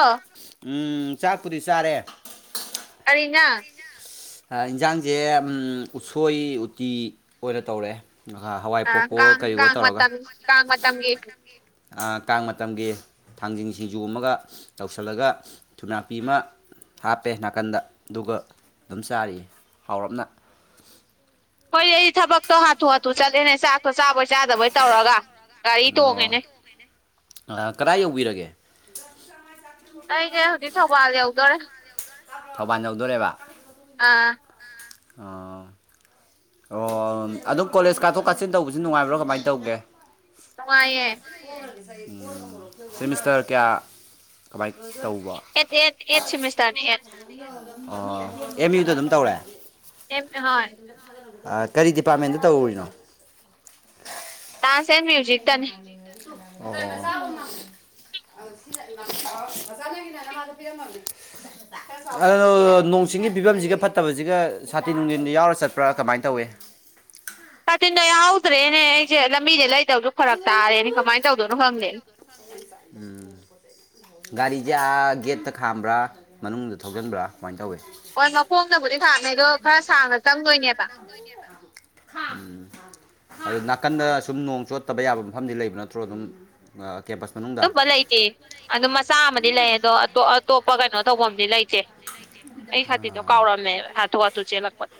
ꯑꯥ ꯎꯝ ꯆꯥꯛꯄꯨꯗꯤ ꯆꯥꯔꯦ ꯀꯔꯤꯅ ꯌꯦꯟꯖꯥꯡꯁꯦ ꯎꯁꯣꯏ ꯎꯇꯤ ꯑꯣꯏꯅ ꯇꯧꯔꯦ ꯍꯋꯥꯏ ꯀꯥꯡ ꯄꯣꯛꯄ‌ꯑꯣ ꯀꯔꯤꯑꯣ ꯀꯥꯡ ꯇꯧꯔꯒ ꯃꯇꯝ ꯀꯥꯡ ꯃꯇꯝꯒꯤ ꯑꯥ ꯀꯥꯡ ꯃꯇꯝꯒꯤ ꯊꯥꯡꯖꯤꯡ ꯁꯤꯡꯖꯨ ꯑꯃꯒ ꯇꯧꯁꯤꯜꯂꯒ ꯊꯨꯝꯌꯥꯛꯄꯤ ꯑꯃ ꯍꯥꯞꯄꯦ ꯅꯥꯀꯟꯗ ꯑꯗꯨꯒ ꯑꯗꯨꯝ ꯆꯥꯔꯤꯌꯦ ꯍꯥꯎꯔꯞꯅ ꯍꯣꯏ ꯑꯩ ꯊꯕꯛꯇꯣ ꯍꯥꯊꯨ ꯍꯥꯊꯨ ꯆꯠꯂꯦꯅꯦ ꯆꯥꯛꯇꯣ ꯆꯥꯕꯣꯏ ꯆꯥꯗꯕꯣꯏ ꯇꯧꯔꯒ ꯒꯥꯔꯤ ꯇꯣꯡꯉꯦꯅꯦ ꯑꯣ ꯑ ꯀꯗꯥꯏ ꯌꯧꯕꯤꯔꯒꯦ ꯑꯩꯁꯦ ꯍꯧꯖꯤꯛ ꯊꯧꯕꯥꯜ ꯌꯧꯗꯣꯔꯦ ꯊꯧꯕꯥꯜ ꯌꯧꯗꯣꯔꯦꯕ ꯑꯥ ꯑꯣ ꯑꯣ ꯑꯗꯨꯝ ꯀꯣꯂꯦꯖ ꯀꯥꯊꯣꯛ ꯀꯥꯁꯤꯟ ꯇꯧꯕꯁꯤ ꯅꯨꯡꯉꯥꯏꯕ꯭ꯔꯣ ꯀꯃꯥꯏꯅ ꯇꯧꯒꯦ ꯅꯨꯡꯉꯥꯏꯌꯦꯦ ꯎꯝ ꯁꯤꯃꯤꯁꯇꯔ ꯀꯌꯥ ꯀꯃꯥꯏꯅ ꯇꯧꯕ ꯑꯦꯠ ꯑꯦꯠ ꯑꯦꯠ ꯁꯤꯃꯤꯁꯇꯔꯅꯦ ꯑꯣ ꯑꯦꯝ ꯌꯨꯗ ꯑꯗꯨꯝ ꯇꯧꯔꯦ ꯍꯣꯏ ꯑꯥ ꯀꯔꯤ ꯗꯤꯄꯥꯔꯠꯃꯦꯟꯗ ꯇꯧꯔꯤꯅꯣ ꯗꯥꯟꯁ ꯑꯦꯟ ꯃꯨ [unintelligible] ꯃ‌ꯣꯆꯥ ꯅꯪꯒꯤꯅ ꯅꯃꯥꯗ ꯄꯤꯔꯝꯃꯕꯅꯤ ꯑ ꯅꯣꯡ ꯆꯤꯡꯒꯤ ꯐꯤꯕꯝꯁꯤꯒ ꯐꯠꯇꯕꯁꯤꯒ ꯁꯥꯇꯤꯟ ꯅꯨꯡꯇꯤꯟꯗꯤ ꯌꯥꯎꯔ ꯆꯠꯄ꯭ꯔꯥ ꯀꯃꯥꯏꯅ ꯇꯧꯏ ꯇꯥꯇꯤꯟꯗꯣ ꯌꯥꯎꯗ꯭ꯔꯦꯅꯦ ꯑꯩꯁꯦ ꯂꯝꯕꯤꯗꯩ ꯂꯩꯗꯧꯁꯨ ꯐꯔꯛ ꯇꯥꯔꯦꯅꯦ ꯀꯃꯥꯏꯅ ꯇꯧꯗꯣꯏꯅꯣ ꯈꯪꯗꯦ ꯎꯝ ꯒꯥꯔꯤꯗꯤ ꯑꯥ ꯒꯦꯠꯇ ꯈꯥꯝꯕ꯭ꯔꯥ ꯃꯅꯨꯡꯗ ꯊꯧꯖꯤꯟꯕ꯭ꯔꯥ ꯀꯃꯥꯏꯅ ꯇꯧꯏ ꯍꯣꯏ ꯃꯈꯣꯡꯗꯕꯨꯗꯤ ꯈꯥꯝꯃꯤ ꯑꯗꯣ ꯈꯔ ꯁꯥꯡꯅ ꯆꯪꯗꯣꯏꯅꯦꯕ [unintelligible] [unintelligible] ꯑꯗꯨ ꯅꯥꯀꯟꯗ ꯁꯨꯝ ꯅꯣꯡ ꯆꯣꯠꯇꯕ ꯌꯥꯕ ꯃꯐꯝꯗꯤ ꯂꯩꯕ ꯅꯠꯇ꯭ꯔꯣ ꯑꯗꯨꯝ ꯑꯥ ꯀꯦꯝꯄꯁ ꯃꯅꯨꯡꯗ ꯑꯗꯨꯝꯕ ꯂꯩꯇꯦ ꯑꯗꯨꯝ ꯃꯆꯥ ꯑꯃꯗꯤ ꯂꯩ ꯑꯗꯣ ꯑꯇꯣꯞ ꯑꯇꯣꯞꯄ ꯀꯩꯅꯣ ꯇꯧꯐꯝꯗꯤ ꯂꯩꯇꯦ ꯇ‌ꯦ ꯑꯩ ꯁꯥꯇꯤꯟꯗꯣ ꯀꯥꯎꯔꯝꯃꯦꯕ ꯍꯥꯊꯨ ꯍꯥꯊꯨ ꯆꯦꯜꯂꯛꯄꯗ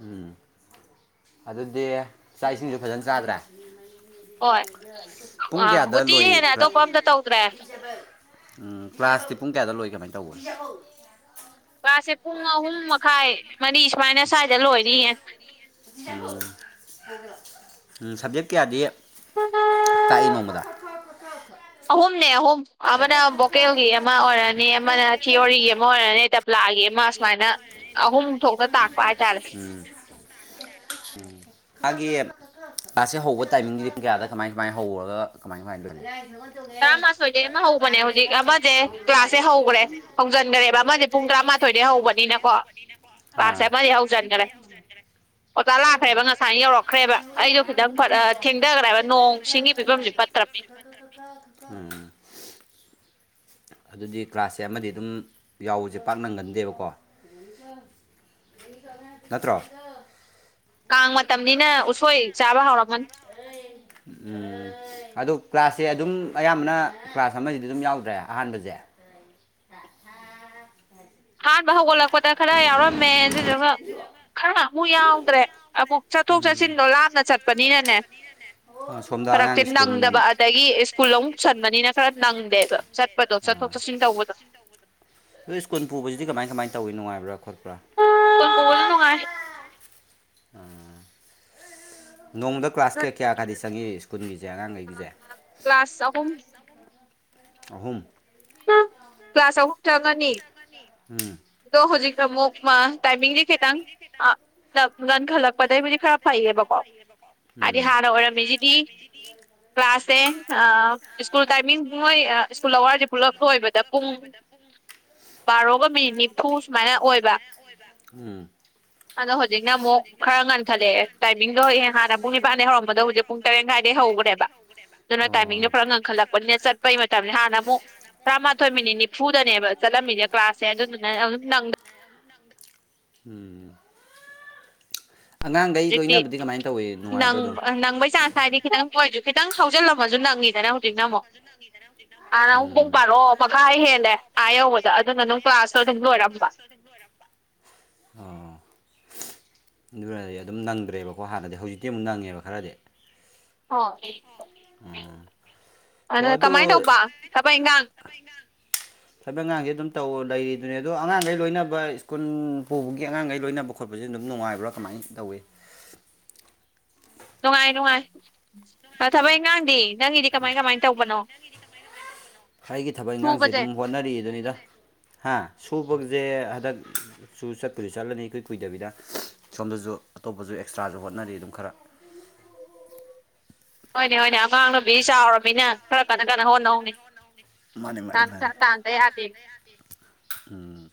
ꯎꯝ ꯑꯗꯨꯗꯤ ꯆꯥꯛ ꯏꯁꯤꯡꯁꯨ ꯐꯖꯅ ꯆꯥꯗ꯭ꯔꯦ ꯍꯣꯏ ꯄꯨꯡ ꯑꯥ ꯀꯌꯥꯗ ꯎꯇꯤꯗꯤ ꯍꯦꯟꯅ ꯂꯣꯏꯕ꯭ꯔꯥ ꯑꯇꯣꯞꯄ ꯑꯝꯇ ꯇꯧꯗ꯭ꯔꯦ ꯎꯝ ꯀ꯭ꯂꯥꯁꯇꯤ ꯄꯨꯡ ꯀꯌꯥꯗ ꯂꯣꯏ ꯀꯃꯥꯏꯅ ꯇꯧꯕ ꯀ‌꯭ꯂꯥꯁ ꯁ‌ꯦ ꯄꯨꯡ ꯑꯍꯨꯝ ꯃꯈꯥꯏ ꯃꯔꯤ ꯁꯨꯃꯥꯏꯅ ꯁ꯭ꯋꯥꯏꯗ ꯂꯣꯏꯅꯤꯌꯦ ꯎꯝ ꯎꯝ ꯁꯕꯖꯦꯛ ꯀꯌꯥꯗꯤ ꯇꯥꯛꯏ ꯅꯣꯡꯃꯗ ꯑꯍꯨꯝꯅꯦ ꯑꯍꯨꯝ ꯑꯃꯅ ꯚꯣꯀꯦꯜꯒꯤ ꯑꯃ ꯑꯣꯏꯔꯅꯤ ꯑꯃꯅ ꯊꯤꯑꯣꯔꯤꯒꯤ ꯑꯃ ꯑꯣꯏꯔꯅꯤ ꯄꯥꯂꯒꯤ ꯑꯃ ꯁꯨꯃꯥꯏꯅ ꯑꯍꯨꯝ ꯊꯣꯛꯅ ꯇꯥꯛꯄ ꯍꯥꯏꯇꯥꯔꯦ ꯎꯝ ꯎꯝ ꯃꯥꯒꯤ ꯀ꯭ꯂꯥꯁꯁꯦ ꯍꯧꯕ ꯇꯥꯏꯃꯤꯡꯒꯤꯗꯤ ꯄꯨꯡ ꯀꯌꯥꯗ ꯀꯃꯥꯏ ꯀꯃꯥꯏꯅ ꯍꯧꯔꯒ ꯀꯃꯥꯏ ꯀꯃꯥꯏꯅ ꯂ‌ꯣꯏꯒ‌ꯦ ꯇꯔꯥꯃꯊꯝꯣꯏꯗꯒꯤ ꯑꯃ ꯍꯧꯕꯅꯦ ꯍꯧꯖꯤꯛ ꯑꯃꯁꯦ ꯀ꯭ꯂꯥꯁꯁꯦ ꯍꯧꯈ꯭ꯔꯦ ꯍꯧꯖꯤꯟꯈ꯭ꯔꯦꯕ ꯑꯃꯁꯦ ꯄꯨꯡ ꯇꯔꯥꯃꯥꯊꯣꯏꯗꯒꯤ ꯍꯧꯕꯅꯤꯅꯀꯣ ꯀ꯭ꯂꯥꯁꯁꯦ ꯑꯥ ꯑꯃꯗꯤ ꯍꯧꯖꯤꯟꯈ꯭ꯔꯦ ꯑꯣꯇꯥ ꯂꯥꯛꯈ꯭ꯔꯦꯕ ꯉꯁꯥꯏ ꯊꯦꯡꯊꯈ꯭ꯔꯦꯕ ꯅꯣꯡ ꯁꯤꯡꯒꯤ ꯐꯤꯕꯝꯁꯦ ꯐꯠꯇ꯭ꯔꯕꯅꯤ [unintelligible] ꯎꯝ ꯑꯗꯨꯗꯤ ꯀ꯭ꯂꯥꯁꯁꯦ ꯑꯃꯗꯤ ꯑꯗꯨꯝ ꯌꯥꯎꯕꯁꯦ ꯄꯥꯛ ꯅꯪꯒꯟꯗꯦꯕꯀꯣ ꯅꯠꯇ꯭ꯔ‌ꯣ ꯀꯥꯡ ꯃꯇꯝꯅꯤꯅ ꯎꯁꯣꯏ ꯆꯥꯕ ꯍꯥꯎꯔꯝꯃꯅꯤ [inaudible] ꯎꯝ ꯑꯗꯣ ꯀ꯭ꯂꯥꯁꯁꯦ ꯑꯗꯨꯝ ꯑꯌꯥꯝꯕꯅ ꯀ꯭ꯂꯥꯁ ꯑꯃꯁꯤꯗꯤ ꯑꯗꯨꯝ ꯌꯥꯎꯗ꯭ꯔꯦ ꯑꯍꯥꯟꯕꯁꯦ [unintelligible] ꯍꯥꯟꯕ ꯍꯧꯒꯠꯂꯛꯄꯗ ꯈꯔ ꯌꯥꯎꯔꯝꯃꯦ ꯑꯗꯨꯗꯨꯒ ꯈꯔ ꯑꯃꯨꯛ ꯌꯥꯎꯗ꯭ꯔꯦ ꯑꯃꯨꯛ ꯆꯠꯊꯣꯛ ꯆꯠꯁꯤꯟꯗꯣ ꯂꯥꯞꯅ ꯆꯠꯄꯅꯤꯅꯅꯦ ꯁꯣꯝꯗ ꯐꯔꯛꯇꯤ ꯑꯉꯥꯡ ꯁ꯭ꯀꯨꯜ ꯅꯪꯗꯕ ꯑꯗꯒꯤ ꯁ꯭ꯀꯨꯜ ꯑꯃ ꯁꯟꯕꯅꯤꯅ ꯈꯔ ꯅꯪꯗꯦꯕ ꯆꯠꯄꯗꯣ ꯆꯠꯊꯣꯛ ꯆꯠꯁꯤꯟ ꯇꯧꯕꯗꯣ ꯑꯗ ꯁ꯭ꯀꯨꯜ ꯄꯨꯁꯤꯕꯁꯤꯗꯤ ꯀꯃꯥꯏ ꯀꯃꯥꯏ ꯇꯧꯏ ꯅꯨꯡꯉꯥꯏꯕ꯭ꯔ ꯈꯣꯠꯄ꯭ꯔꯥ ꯀ ꯀꯣꯜꯅꯅꯨꯡꯉꯥꯏ ꯅꯣꯡꯃꯗ ꯀ꯭ꯂꯥꯁ ꯀꯌꯥ ꯀꯌꯥ ꯈꯔꯗꯤ ꯆꯪꯏ ꯁ꯭ꯀꯨꯜꯒꯤꯁꯦ ꯑꯉꯥꯡꯈꯩꯒꯤꯁꯦ ꯀ꯭ꯂꯥꯁ ꯑꯍꯨꯝ ꯑꯍꯨꯝ ꯀ꯭ꯂꯥꯁ ꯑꯍꯨꯝ ꯆꯪꯉꯅꯤ ꯎꯝ ꯑꯗꯣ ꯍꯧꯖꯤꯛꯀ ꯑꯃꯨꯛꯃ ꯇꯥꯏꯃꯤꯡꯗꯤ ꯈꯤꯇꯪ ꯑꯥ ꯉꯟꯈꯠꯂꯛꯄꯗꯒꯤꯩꯕꯨꯗꯤ ꯈꯔ ꯐꯩꯌꯦꯕꯀꯣ ꯍꯥꯏꯗꯤ ꯎꯝ ꯍꯥꯟꯅ ꯑꯣꯏꯔꯝꯃꯤꯁꯤꯗꯤ ꯀ꯭ꯂꯥꯁꯦ ꯁ꯭ꯀꯨꯜ ꯇꯥꯏꯃꯤꯡ ꯃꯣꯏ ꯁ꯭ꯀꯨꯜ ꯑꯋꯥꯔꯁꯦ ꯄꯨꯂꯞ ꯑꯣꯏꯕꯗ ꯄꯨꯡ ꯕꯥꯔꯣꯒ ꯃꯤꯅꯤꯠ ꯕꯥꯔꯣꯒ ꯃꯤꯠ ꯁꯨꯃꯥꯏꯅ ꯅꯤꯐꯨ ꯑꯣꯏꯕ ꯁꯨꯃꯥꯏꯅ ꯑꯣꯏꯕ ꯑꯗꯣ ꯍꯧꯖꯤꯛꯅ ꯈꯔ ꯉꯟꯊꯠꯂꯛꯑꯦ ꯇꯥꯏꯃꯤꯡꯗꯣ ꯍꯌꯦꯡ ꯍꯥꯟꯅ ꯄꯨꯡ ꯅꯤꯄꯥꯟꯗꯒꯤꯩ ꯍꯧꯔꯝꯕꯗꯣ ꯍꯧꯖꯤꯛ ꯄꯨꯡ ꯇꯔꯦꯠ ꯃꯈꯥꯏꯗꯩ ꯍꯧꯈ꯭ꯔꯦꯕ ꯑꯗꯨꯅ ꯑꯣ ꯇꯥꯏꯃꯤꯡꯗꯣ ꯈꯔ ꯉꯟꯈꯠꯂꯛꯄꯅꯤꯅ ꯆꯠꯄꯩ ꯃꯇꯝ ꯍꯥꯟꯅ ꯑꯃꯨꯛ ꯇꯔꯥꯃꯥꯊꯣꯏ ꯃꯤꯅꯤꯠ ꯅꯤꯐꯨꯗꯅꯦꯕ ꯆꯠꯂꯝꯃꯤꯅꯦꯦ ꯀ꯭ꯂꯥꯁꯁꯦ ꯑꯗꯨꯗꯨꯅ ꯑꯗꯨꯝ ꯅꯪ ꯎꯝ ꯑꯉꯥꯡꯈꯩ ꯗꯤ ꯂꯣꯏꯅꯕꯗꯤ ꯀꯃꯥꯏꯅ ꯇꯧꯏ ꯅꯨꯡꯉꯥꯏꯕ꯭ꯔꯥ ꯅꯪ ꯑꯗꯨꯝ ꯅꯪꯕꯩ ꯆꯥ ꯍꯥꯏꯗꯤ ꯈꯤꯇꯪ ꯄꯣꯏꯁꯨ ꯈꯤꯇꯪ ꯍꯥꯎꯖꯤꯜꯂꯝꯃꯁꯨ ꯅꯪꯉꯤꯗꯅ ꯍꯧꯖꯤꯛꯅ ꯑꯃꯨꯛ ꯅꯪꯉꯤꯗꯅ ꯍꯧꯖꯤꯛ ꯑꯥꯅ ꯑꯃꯨꯛ ꯄꯨꯡ ꯅꯪ ꯕꯥꯔꯣ ꯃꯈꯥꯏ ꯍꯦꯜꯂꯦ ꯅꯥꯔꯛꯑꯣ ꯑꯥ ꯌꯧꯕꯗ ꯍꯦꯜꯂꯦ ꯑꯗꯨꯅ ꯑꯗꯨꯝ ꯍꯥꯏꯥ ꯌꯧꯕꯗꯣ ꯀ꯭ꯂꯥꯁꯇꯣ ꯑꯗꯨꯝ ꯑꯗꯨꯅ ꯂꯣꯏꯔꯝꯕ ꯑꯣ ꯑꯗꯨꯔꯗꯤ ꯑꯗꯨꯝ ꯅꯪꯗ꯭ꯔꯦꯕꯀꯣ ꯍꯥꯟꯅꯗꯤ ꯍꯧꯖꯤꯛꯇꯤ ꯑꯃꯨꯛ ꯅꯪꯉꯦꯕ ꯈꯔꯗꯤ ꯑꯣ ꯎꯝ ꯑꯗꯨꯗ ꯀꯃꯥꯏꯅ ꯇꯧꯕ ꯊꯕꯛ ꯏꯪꯈꯥꯡ ꯇꯃꯥꯏꯅ ꯊꯕꯛ ꯑꯉꯥꯡꯁꯦ ꯑꯗꯨꯝ ꯇꯧ ꯂꯩꯔꯤꯗꯨꯅꯦ ꯑꯗꯣ ꯑꯉꯥꯡꯈꯩ ꯂꯣꯏꯅꯕ ꯁ꯭ꯀꯨꯜ ꯄꯨꯕꯒꯤ ꯑꯉꯥꯡꯈꯩ ꯂꯣꯏꯅꯕ ꯈꯠꯁꯦ ꯑꯗꯨꯝ ꯅꯨꯡꯉꯥꯏ꯭ꯔꯥ ꯀꯃꯥꯏꯅ ꯇꯧꯋꯏ ꯅꯨꯡꯉꯥꯏ ꯅꯨꯡꯉꯥꯏ ꯑ ꯊꯕꯛ ꯏꯉꯥꯡꯗꯤ ꯅꯪꯒꯤꯗꯤ ꯀꯃꯥꯏ ꯀꯃꯥꯏ ꯇꯧꯕꯅꯣ ꯑꯩꯒꯤ ꯊꯕꯛ ꯏꯟꯈꯥꯡꯁꯦ ꯁꯨꯕꯁꯦ ꯑꯗꯨꯝ ꯍꯣꯠꯅꯔꯤꯗꯨꯅꯤꯗ ꯍꯥ ꯁꯨꯕꯁꯦ ꯍꯟꯗꯛ ꯁꯨ ꯆꯠꯇꯨꯁꯨ ꯆꯠꯂꯅꯤ ꯏꯨꯏꯨꯏꯗꯕꯤꯗ ꯁꯣꯝꯗꯁꯨ ꯑꯇꯣꯞꯄꯁꯨ ꯑꯦꯛꯁꯇ꯭ꯔꯥꯁꯨ ꯍꯣꯠꯅꯔꯤ ꯑꯗꯨꯝ ꯈꯔ ꯍꯣꯏꯅꯦ ꯍꯣꯏꯅꯦ ꯑꯉꯥꯡ ꯅꯨꯕꯤ ꯆꯥꯎꯔꯕꯃꯤꯅ ꯈꯔ ꯀꯟꯅ ꯀꯟꯅ ꯍꯣꯠꯅꯍꯧꯅꯦ ꯃꯥꯅꯦ ꯆ ꯃꯥꯅꯦ ꯆ ꯃꯥꯅꯦ ꯆꯥꯟꯗꯩ ꯍꯥꯏꯗꯤ ꯎꯝ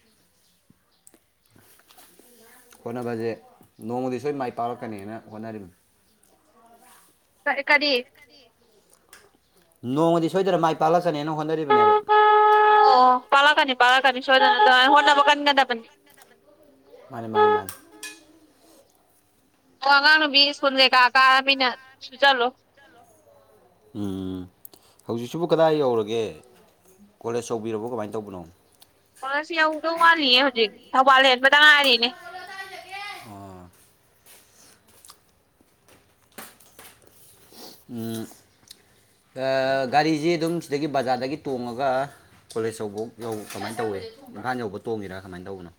ꯍꯣꯠꯅꯕꯁꯦ ꯅꯣꯡꯃꯗꯤ ꯁꯣꯏ ꯃꯥꯏ ꯄꯥꯛꯂꯛꯀꯅꯦꯅ ꯍꯣꯠꯅꯔꯤꯕꯅꯤ ꯀꯔꯤ ꯀꯔꯤ ꯅꯣꯡꯃꯗꯤ ꯁꯣꯏꯗꯅ ꯃꯥꯏ ꯄꯥꯛꯂꯛꯁꯅꯦꯅ ꯍꯣꯠꯅꯔꯤꯕꯅꯦꯕ ꯄꯥꯂꯀꯅꯤ ꯄꯥꯂꯀꯅꯤ ꯁꯣꯏꯗ ꯍꯣꯅ ꯀꯟꯒꯗꯕꯅꯤ ꯃꯥꯅꯤ ꯃꯥꯅꯤ ꯃꯥꯅꯤ ꯍꯉꯅ ꯃꯤ ꯁꯀꯨꯜ ꯂꯩꯦ ꯀ ꯀꯥꯃꯤꯅ ꯁꯨ ꯆꯜꯂꯣ ꯎꯝ ꯍꯧꯖꯤꯛꯁꯤꯕꯨ ꯀꯗꯥꯏ ꯌꯧꯔꯒꯦ ꯀꯣꯂꯦꯖ ꯇꯧꯕꯤꯔꯕꯣ ꯀꯃꯥꯏꯅ ꯇꯧꯕꯅꯣ ꯄꯁꯤ ꯌꯧꯗꯧ ꯋꯥꯂꯤꯌꯦ ꯍꯧꯖꯤꯛ ꯊꯧꯕꯥꯜ ꯍꯦꯟꯕꯗ ꯉꯥꯏꯔꯤꯅꯦ ꯑꯣ ꯒꯥꯔꯤꯁꯤ ꯑꯗꯨꯝ ꯁꯤꯗꯒꯤ ꯕꯖꯥꯔꯗꯒꯤ ꯇꯣꯡꯉꯒ ꯀꯣꯂꯦꯖ ꯌꯧꯕ ꯌꯧ ꯀꯃꯥꯏꯅ ꯇꯧꯏꯦ ꯏꯝꯐꯥꯜ ꯌꯧꯕ ꯇꯣꯡꯉꯤꯔꯥ ꯀꯃꯥꯏꯅ ꯇꯧꯕꯅꯣ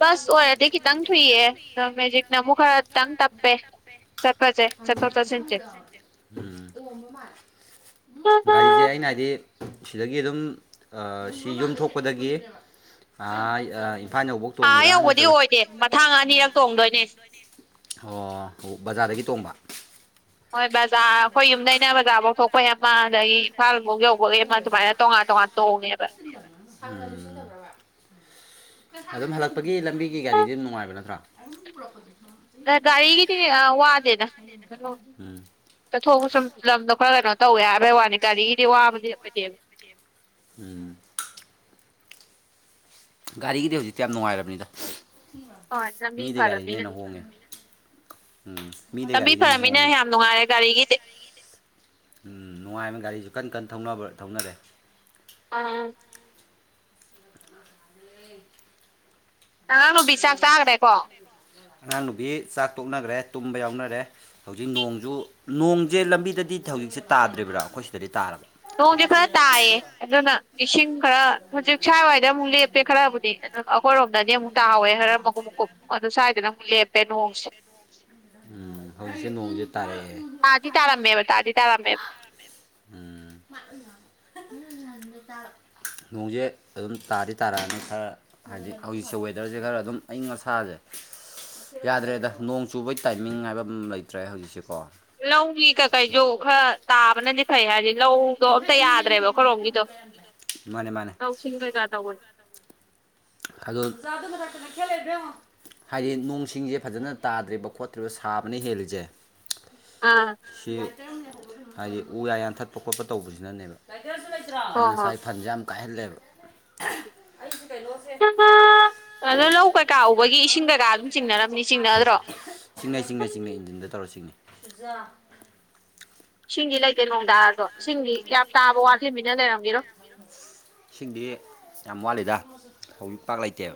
ꯕꯁ ꯑꯣꯏꯔꯗꯤ ꯈꯤꯇꯪ ꯇꯪ ꯑꯗꯣ ꯊꯨꯏꯌꯦ ꯇ ꯃ ꯏꯅꯃ ꯍꯥꯔ ꯇꯪ ꯇꯞꯄꯦ ꯆꯠꯐ ꯆꯦ ꯆꯠꯐ ꯆꯁꯤ ꯆꯦ ꯎꯝ ꯒꯥꯔꯤ ꯆ ꯑꯩꯅ ꯍꯥꯏꯗꯤ ꯁꯤꯗꯒꯤ ꯑꯗꯨꯝ ꯁꯤ ꯌꯨꯝ ꯊꯣꯛꯄꯗꯒꯤ ꯑ ꯏꯝꯐꯥꯜ ꯌꯐꯧ ꯑꯥ ꯇꯣꯡꯉꯦꯔꯥ ꯌꯧꯕꯗꯤ ꯅꯠꯇ꯭ꯔꯒ ꯑꯣꯏꯗꯦ ꯃꯊꯥꯡ ꯑꯅꯤꯔꯛ ꯇꯣꯡꯗꯣꯏꯅꯦ ꯑꯣ ꯕꯖꯥꯔꯗꯒꯤ ꯇꯣꯡꯕ ꯍꯣꯏ ꯕꯖꯥꯔ ꯑꯩꯈꯣꯏ ꯃꯈꯣꯏ ꯌꯨꯝꯗꯩꯅ ꯕꯖꯥꯔꯐꯧ ꯊꯣꯛꯄꯩ ꯕꯖꯥꯔꯐꯥꯎ ꯑꯃ ꯊꯣꯛꯄ ꯌꯥꯝ ꯄꯥ ꯑꯗꯒꯤ ꯑꯗꯩ ꯏꯝꯐꯥꯜꯐꯧ ꯏꯝꯐꯥꯜ ꯌꯧꯕꯒꯤ ꯐꯥꯎꯒꯤ ꯑꯃ ꯇꯣꯉꯥꯟ ꯑꯗꯨꯃꯥꯏꯅ ꯇꯣꯉꯥꯟ ꯇꯣꯡꯉꯦꯕ ꯇꯣꯉꯥꯟ ꯇꯣꯉꯥꯟ ꯁꯌꯥ ꯎꯝ ꯑꯗꯨꯝ ꯍꯂꯛꯄꯒꯤ ꯂꯝꯕꯤꯒꯤ ꯒꯥꯔꯤꯗꯤ ꯑꯗꯨꯝ ꯅꯨꯡꯉꯥꯏꯕ ꯅꯠꯇ꯭ꯔꯣ ꯒꯥꯔꯤꯒꯤꯗꯤ ꯋꯥꯗꯦꯅ ꯀꯩꯅꯣ ꯎꯝ ꯆꯠꯊꯣꯛꯄ ꯁꯨꯝ ꯂꯝꯗꯣ ꯈꯔ ꯀꯩꯅꯣ ꯇꯧꯋꯦ ꯍꯥꯏꯕꯩ ꯋꯥꯅꯤ ꯒꯥꯔꯤꯒꯤꯗꯤ ꯋꯥꯕꯗꯤ ꯑꯣꯏꯗꯦꯕ ꯎꯝ ꯒꯥꯔꯤꯒꯤꯗꯤ ꯍꯧꯖꯤꯛꯇꯤ ꯌꯥꯝ ꯅꯨꯡꯉꯥꯏꯔꯕꯅꯤꯗ ꯍꯣꯏ ꯂꯝꯕꯤ ꯃꯤꯗꯤ ꯐꯔꯕꯅꯤꯅ ꯒꯥꯔꯤꯗꯤꯅꯦꯦꯟꯅ ꯍꯣꯡꯉꯦ ꯎꯝ ꯃꯤꯗ ꯂꯝꯕꯤ ꯒꯥꯔꯤꯅꯦꯅ ꯐꯔꯕꯅꯤꯅ ꯍꯣꯡꯉꯦ ꯌꯥꯝ ꯅꯨꯡꯉꯥꯏꯔꯦ ꯒꯥꯔꯤꯒꯤꯗꯤ ꯎ ꯅꯨꯡꯉꯥꯏꯅ ꯒꯥꯔꯤꯁꯨ ꯀꯟꯅ ꯀꯟꯅꯅꯕ ꯊꯧꯅꯔꯦ ꯑꯥ ꯍ ꯅꯪꯅꯨꯕꯤ ꯆꯥꯛ ꯆꯥꯒ꯭ꯔꯦꯀꯣ ꯑꯉꯥꯡ ꯅꯨꯕꯤ ꯆꯥꯛ ꯇꯣꯛꯅꯈ꯭ꯔꯦ ꯇꯨꯝꯕ ꯌꯥꯎꯅꯔꯦ ꯍꯧꯖꯤꯛ ꯅꯣꯡꯁꯨ ꯅꯣꯡꯁꯦ ꯂꯝꯕꯤꯗꯗꯤ ꯍꯧꯖꯤꯛꯁꯦ ꯇꯥꯗ꯭ꯔꯤꯕ꯭ꯔꯥ ꯑꯩꯈꯣꯏ ꯁꯤꯗꯗꯤ ꯇꯥꯔꯕ ꯅꯣꯡꯁꯦ ꯈꯔ ꯇꯥꯏꯌꯦ ꯑꯗꯨꯅ ꯏꯁꯤꯡ ꯈꯔ ꯍꯧꯖꯤꯛ ꯁꯨꯋꯥꯏꯋꯥꯏꯗ ꯑꯃꯨꯛ ꯂꯦꯞꯄꯦ ꯈꯔꯕꯨꯗꯤ ꯑꯩꯈꯣꯏꯔꯣꯝꯗꯗꯤ ꯑꯃꯨꯛ ꯇꯥꯍꯧꯋꯦ ꯍꯔ ꯃꯍꯨꯝꯨꯛꯀꯨꯞ ꯑ ꯑꯗꯨ ꯁ꯭ꯋꯥꯏꯗꯅ ꯑꯃꯨꯛ ꯂꯦꯞꯄꯦ ꯅꯣꯡꯁꯦ ꯎꯝ ꯍꯧꯖꯤꯛꯁꯦ ꯅꯣꯡꯁꯦ ꯇꯥꯔꯛꯑꯦ ꯇꯥꯗꯤ ꯇꯥꯔꯝꯃꯦꯕ ꯇꯥꯗꯤ ꯇꯥꯔꯝꯃꯦꯕ [inaudible] ꯅꯣꯡꯁꯦ ꯑꯗꯨꯝ ꯇꯥꯗꯤ ꯇꯥꯔꯛꯑꯅꯤ ꯈꯔ ꯍꯥꯏꯗꯤ ꯍꯧꯖꯤꯛꯁꯦ ꯋꯦꯗꯔꯁꯦ ꯈꯔ ꯑꯗꯨꯝ ꯑꯏꯪ ꯑꯁꯥꯁꯦ ꯌꯥꯗ꯭ꯔꯦꯗ ꯅꯣꯡ ꯆꯨꯕꯩ ꯇꯥꯏꯃꯤꯡ ꯍꯥꯏꯕ ꯑꯃ ꯂꯩꯇ꯭ꯔꯦ ꯍꯧꯖꯤꯛꯁꯦꯀꯣ ꯂꯧꯒꯤ ꯀꯀꯩꯁꯨꯣ ꯈꯔ ꯇꯥꯕꯅꯗꯤ ꯐꯩ ꯍꯥꯏꯗꯤ ꯂꯧꯗꯣ ꯑꯝꯇ ꯌꯥꯗ꯭ꯔꯦꯕ ꯈꯂꯣꯝꯒꯤꯗꯣ ꯃꯥꯅꯦ ꯃꯥꯅꯦ ꯂꯧꯁꯤꯡ ꯀꯩꯀꯥ ꯇꯧꯕꯅꯦ ꯍꯣ ꯆ ꯑꯗꯨ ꯃ ꯊꯅ ꯈꯦ ꯂꯩꯗꯃꯣ ꯍꯥꯏꯗꯤ ꯅꯣꯡ ꯁꯤꯡꯁꯦ ꯐꯖꯅ ꯇꯥꯗ꯭ꯔꯤꯕ ꯈꯣꯠꯇ꯭ꯔꯤꯕ ꯁꯥꯕꯅ ꯍꯦꯜꯂꯤꯁꯦ ꯑꯥ ꯁꯤ ꯍꯥꯏꯗꯤ ꯎ ꯌꯥ ꯌꯥꯟꯊꯠꯄ ꯈꯣꯠꯄ ꯇꯧꯕꯁꯤꯅꯅꯦꯕ ꯑꯩ ꯍꯣꯏ ꯉꯁꯥꯏ ꯐꯟꯁꯦ ꯌꯥꯝ ꯀꯥꯏꯍꯜꯂꯦꯕ ꯑꯗꯣ ꯂꯧ ꯀꯩꯀꯥ ꯎꯕꯒꯤ ꯏꯁꯤꯡ ꯑꯉꯥꯡꯒꯤ ꯀꯩꯀꯥ ꯑꯗꯨꯝ ꯆꯤꯡꯅꯔꯝꯅꯤ ꯆꯤꯡꯅꯗ꯭ꯔꯣ ꯆꯤꯡꯅꯩ ꯆꯤꯡꯅꯩ ꯆꯤꯡꯅꯩ ꯏꯟꯖꯤꯟꯗ ꯇꯧꯔ ꯆꯤꯡꯅꯤꯩ ꯁꯤꯡꯒꯤꯗꯤ ꯂꯩꯇꯦ ꯅꯨꯡꯗꯥꯗꯣ ꯁꯤꯡꯒꯤ ꯌꯥꯝ ꯇꯥꯕ ꯋꯥꯊꯂꯤ ꯃꯤꯅ ꯂꯩꯔꯝꯒꯔꯣ ꯏꯁꯤꯡꯗꯤ ꯌꯥꯝ ꯋꯥꯠꯂꯤꯗ ꯍꯧꯖꯤꯛ ꯄꯥꯛ ꯂꯩꯇꯦꯕ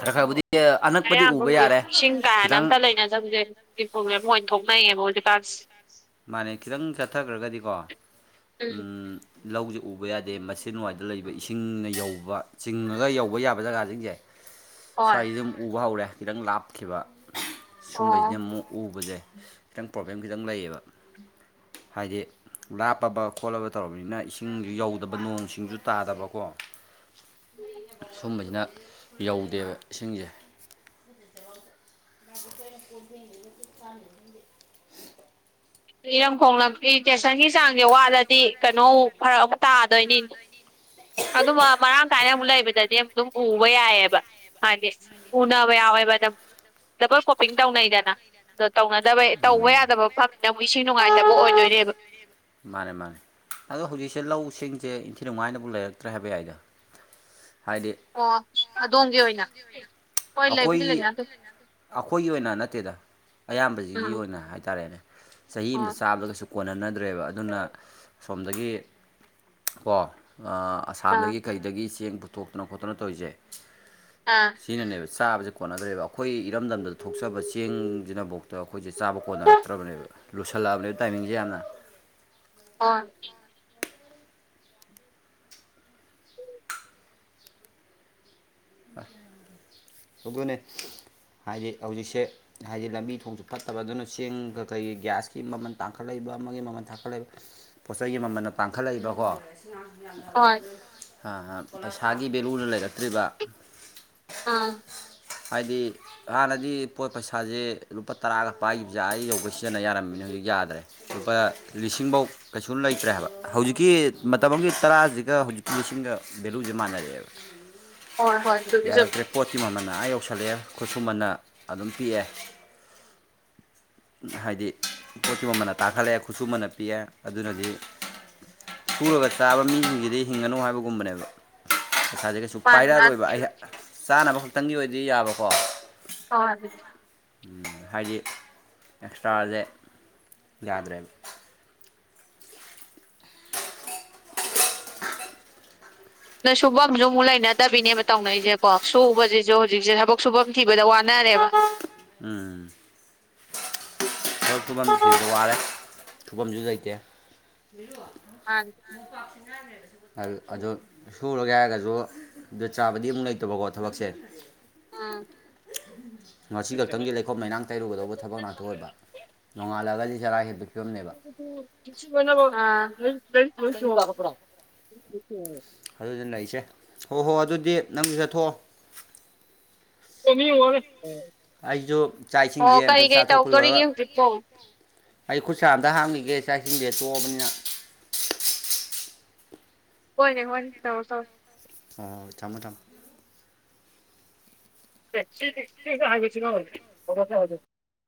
ꯈꯔ ꯈꯔꯕꯨꯗꯤ ꯑꯅꯛꯄꯗꯤ ꯑꯌꯥꯝꯕ ꯎꯕ ꯍꯧꯗꯤ ꯌꯥꯔꯦ ꯏꯁꯤꯡ ꯀꯥꯏꯅ ꯑꯝꯇ ꯈꯤꯇꯪ ꯂꯩꯅ ꯆꯕꯁꯦ ꯄ꯭ꯔꯣꯕ꯭ꯂꯦꯝ ꯑꯣꯏꯅ ꯊꯣꯛꯅꯩꯌꯦꯕꯄꯥꯛꯥꯛꯁꯦ ꯃꯥꯅꯦ ꯈꯤꯇꯪ ꯆꯠꯊꯈ꯭ꯔꯒꯗꯤꯀꯣ ꯎꯝ ꯂꯧꯁꯦ ꯎꯕ ꯌꯥꯗꯦ ꯃꯁꯤ ꯅꯨꯡꯉꯥꯏꯇ ꯂꯩꯕ ꯏꯁꯤꯡꯅ ꯌꯧꯕ ꯆꯤꯡꯉꯒ ꯌꯧꯕ ꯌꯥꯕ ꯖꯒꯥꯁꯤꯡꯁꯦ ꯍꯣꯏ ꯁꯋꯥꯏꯁꯤꯗꯨꯝ ꯎꯕ ꯍꯧꯔꯦ ꯈꯤꯇꯪ ꯂꯥꯞꯈꯤꯕ ꯑꯣ ꯁꯨꯝꯕꯁꯤꯗꯤ ꯑꯃꯨꯛ ꯎꯕꯁꯦ ꯈꯤꯇꯪ ꯄ꯭ꯔꯣꯕ꯭ꯂꯦꯝ ꯈꯤꯇꯪ ꯂꯩꯌꯦꯕ ꯍꯥꯏꯗꯤ ꯂꯥꯞꯂꯕ ꯈꯣꯠꯂꯕ ꯇꯧꯔꯕꯅꯤꯅ ꯏꯁꯤꯡꯁꯨ ꯌꯧꯗꯕ ꯅꯣꯡ ꯁꯤꯡꯁꯨ ꯇꯥꯗꯕꯀꯣ ꯁꯨꯝꯕꯁꯤꯅ ꯌꯧꯗꯦꯕ ꯏꯁꯤꯡꯁꯦ ꯑꯦ ꯏꯔꯝꯈꯣ ꯂꯝꯇꯦꯁꯟꯒꯤ ꯆꯥꯡꯁꯦ ꯋꯥꯠꯂꯗꯤ ꯀꯩꯅꯣ ꯐꯔꯛ ꯑꯃꯨꯛ ꯇꯥꯗꯣꯏꯅꯤꯅꯦ ꯑꯗꯨꯃ ꯃꯔꯥꯡ ꯀꯥꯏꯅ ꯑꯃꯨꯛ ꯂꯩꯕꯗꯗꯤ ꯑꯃꯨꯛ ꯑꯗꯨꯝ ꯎꯕ ꯌꯥꯏꯑꯕ ꯍꯥꯏꯗꯤ ꯎꯅꯕ ꯌꯥꯎꯋꯦꯕ ꯑꯗꯨ ꯗꯕꯜ ꯀꯣꯞꯄꯤꯡ ꯇꯧꯅꯩꯗꯅ ꯑꯗꯣ ꯇꯧꯅꯗꯕ ꯇꯧꯕ ꯌꯥꯗꯕ ꯐꯛ ꯅ ꯃꯤꯁꯤꯡ ꯅꯨꯡꯉꯥꯏꯅꯣꯏ ꯃꯥꯅꯦ ꯃꯥꯅꯦ ꯑꯗꯣ ꯍꯧꯖꯤꯛꯁꯦ ꯂꯧꯁꯤꯡꯁꯦ ꯏꯟꯊꯤ ꯅꯨꯡꯉꯥꯏꯅꯕꯨ ꯂꯩꯔꯛꯇ꯭ꯔꯦ ꯍꯥꯏꯕ ꯌꯥꯏꯗꯣ [inaudible] ꯑꯣ ꯑꯗꯣꯝꯒꯤ ꯑꯣꯏꯅ ꯍꯣꯏ ꯂꯩꯕꯨꯗꯤ ꯑꯩꯈꯣꯏꯒꯤ ꯂꯩꯅ ꯑꯗꯨꯝ ꯑꯩꯈꯣꯏꯒꯤ ꯑꯣꯏꯅ ꯅꯠꯇꯦꯗ ꯑꯌꯥꯝꯕꯖꯤꯒꯤ ꯎꯝ ꯑꯣꯏꯅ ꯍꯥꯏ ꯇꯔꯦꯅꯦ ꯆꯍꯤ ꯑꯃꯗ ꯍꯣꯏ ꯆꯥꯕꯗꯒꯁꯨ ꯀꯣꯟꯅꯅꯗ꯭ꯔꯦꯕ ꯑꯗꯨꯅ ꯁꯣꯝꯗꯒꯤ ꯀꯣ ꯑꯥ ꯑꯥ ꯑꯁꯥꯝꯗꯒꯤ ꯀꯩꯗꯒꯤ ꯆꯦꯡ ꯄꯨꯊꯣꯛꯇꯅ ꯈꯣꯠꯇꯅ ꯇꯧꯔꯤꯖꯦ ꯑꯥ ꯁꯤꯅꯅꯦꯕ ꯆꯥꯕꯁꯦ ꯀꯣꯟꯅꯗ꯭ꯔꯦꯕ ꯑꯩꯈꯣꯏ ꯏꯔꯝꯗꯝꯗ ꯊꯣꯛꯆꯕ ꯆꯦꯡꯁꯤꯅꯕꯧ ꯇ ꯑꯩꯈꯣꯏꯖꯦ ꯆꯥꯕ ꯀꯣꯟꯅꯔꯛꯇ꯭ꯔꯕꯅꯦꯕ ꯂꯨꯁꯜꯂꯛꯑꯕꯅꯦꯕ ꯇꯥꯏꯃꯤꯡꯖꯦ ꯌꯥꯝꯅ [unintelligible] ꯑ ꯑꯗꯨꯅꯦ ꯍꯥꯏꯗꯤ ꯍꯧꯖꯤꯛꯁꯦ ꯍꯥꯏꯗꯤ ꯂꯝꯕꯤ ꯊꯣꯡꯁꯨ ꯐꯠꯇꯕ ꯑꯗꯨꯅ ꯆꯦꯡꯒ ꯀꯩ ꯒ꯭ꯌꯥꯁꯀꯤ ꯃꯃꯜ ꯇꯥꯡꯈꯠꯂꯩꯕ ꯑꯃꯒꯤ ꯃꯃꯜ ꯇꯥꯡꯈꯠꯂꯩꯕ ꯄꯣꯠꯆꯩꯒꯤ ꯃꯃꯟꯅ ꯄꯥꯡꯈꯠꯂꯩꯕꯀꯣ ꯍꯣꯏ ꯍꯥ ꯍꯥ ꯄꯩꯁꯥꯒꯤ ꯚꯦꯂꯨꯗ ꯂꯩꯔꯛꯇ꯭ꯔꯤꯕ ꯑꯥ ꯍꯥꯏꯗꯤ ꯍꯥꯟꯅꯗꯤ ꯄꯣꯠ ꯄꯩꯁꯥꯁꯦ ꯂꯨꯄꯥ ꯇꯔꯥꯒ ꯄꯥꯏꯒꯤꯕꯖꯦ ꯑꯥ ꯌꯧꯒꯩ ꯁꯤꯖꯤꯟꯅ ꯌꯥꯔꯝꯃꯤꯅꯤ ꯍꯧꯖꯤꯛ ꯌꯥꯗ꯭ꯔꯦ ꯂꯨꯄꯥ ꯂꯤꯁꯤꯡꯕꯥꯎ ꯀꯩꯁꯨ ꯂꯩꯇ꯭ꯔꯦ ꯍꯥꯏꯕ ꯍꯧꯖꯤꯛꯀꯤ ꯃꯇꯝ ꯑꯃꯒꯤ ꯇꯔꯥꯖꯤꯒ ꯍꯧꯖꯤꯛꯀꯤ ꯂꯤꯁꯤꯡꯒ ꯚꯦꯂꯨꯁꯦ ꯃꯥꯟꯅꯔꯛꯑꯦꯕ [inaudible] ꯍꯣꯏ ꯍꯣꯏ ꯆꯨꯃꯤ ꯆꯨꯃꯤ ꯌꯥꯔꯛꯇ꯭ꯔꯦ ꯄꯣꯠꯀꯤ ꯃꯃꯜꯅ ꯑꯥ ꯌꯧꯁꯤꯜꯂꯛꯑꯦ ꯈꯨꯠꯁꯨꯃꯟꯅ ꯑꯗꯨꯝ ꯄꯤꯛꯑꯦ ꯍꯥꯏꯗꯤ ꯄꯣꯠꯀꯤ ꯃꯃꯜꯅ ꯇꯥꯈꯠꯂꯛꯑꯦ ꯈꯨꯠꯁꯨꯃꯟꯅ ꯄꯤꯛꯑꯦ ꯑꯗꯨꯅꯗꯤ ꯁꯨꯔꯒ ꯆꯥꯕ ꯃꯤꯁꯤꯡꯖꯤꯗꯤ ꯍꯤꯡꯉꯅꯨ ꯍꯥꯏꯕꯒꯨꯝꯕꯅꯦꯕ ꯄꯩꯁꯥꯁꯦ ꯀꯩꯁꯨ ꯁꯨ ꯃꯥꯅꯤ ꯄꯥꯏꯔꯛꯔꯣꯏꯕ ꯃꯥꯅꯤ ꯑꯩꯍ ꯆꯥꯅꯕ ꯈꯛꯇꯪꯒꯤ ꯑꯣꯏꯗꯤ ꯌꯥꯕꯀꯣ [unintelligible] ꯎꯝ ꯍꯥꯏꯗꯤ ꯑꯦꯛꯁꯇ꯭ꯔꯥꯖꯦ ꯌꯥꯗ꯭ꯔꯦꯕ ꯅꯣꯏ ꯁꯨꯕꯝꯖꯨ ꯑꯃꯨꯛ ꯂꯩꯅꯗꯕꯤꯅꯦꯕ ꯇꯧꯅꯩꯖꯦꯀꯣ ꯁꯨꯕꯖꯤꯖꯨ ꯍꯧꯖꯤꯛꯁꯦ ꯊꯕꯛ ꯁꯨꯕ ꯊꯤꯕꯗ ꯋꯥꯅꯔꯦꯕ ꯎꯝ ꯊꯕꯛ ꯁꯨꯕꯝ ꯊꯤꯕꯗ ꯋꯥꯔꯦ ꯁꯨꯕꯝꯖꯨ ꯂꯩꯇꯦ ꯃꯥꯅꯤ ꯑ ꯑꯗꯨ ꯁꯨꯔꯒꯦ ꯍꯥꯏꯔꯒꯖꯨ ꯖꯨꯗ ꯆꯥꯕꯗꯤ ꯑꯃꯨꯛ ꯂꯩꯇꯕꯀꯣ ꯊꯕꯛꯁꯦ ꯎꯝ ꯉꯁꯤ ꯈꯛꯇꯪꯒꯤ ꯂꯩꯈꯣꯝ ꯂꯩꯅꯥꯡ ꯇꯩꯔꯨꯒꯗꯧꯕ ꯊꯕꯛ ꯅꯥꯛꯇ ꯑꯣꯏꯕ ꯅꯣꯡꯉꯥꯜꯂꯒꯗꯤ ꯆꯔꯥ ꯍꯦꯟꯕ ꯐꯤꯕꯝꯅꯦꯕ [unintelligible] ꯑꯗꯨꯗꯤ ꯅꯩꯁꯦ ꯍꯣ ꯍꯣ ꯑꯗꯨꯗꯤ ꯅꯪꯁꯨ ꯆꯠꯊꯣꯛꯑꯣ [unintelligible] ꯑꯩꯖꯨ ꯆꯥꯛ ꯑꯣ ꯏꯁꯤꯡꯖꯦ ꯀꯔꯤ ꯑꯝꯇ ꯀꯔꯤ ꯆꯥꯊꯣꯛꯄ ꯂꯣꯔꯒ ꯇꯧꯗꯣꯔꯤꯒꯦ ꯍꯧꯖꯤꯛꯄꯣ ꯑꯩ ꯈꯨꯠꯁꯥ ꯑꯝꯗ ꯍꯥꯝꯒꯤꯒꯦ ꯆꯥꯛ ꯏꯁꯤꯡꯖꯦ ꯇꯣꯛꯑꯕꯅꯤꯅ ꯍꯣꯏꯅꯦ ꯍꯣꯏꯅꯦ ꯇꯧꯔꯣ ꯇꯧꯔꯣ ꯑ ꯊꯃꯃꯣ ꯊꯝꯃꯣ [unintelligible]